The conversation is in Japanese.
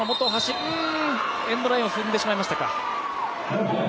エンドラインを踏んでしまいました。